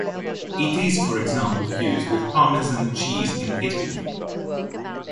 It is, for example, used with Parmesan cheese in Italy.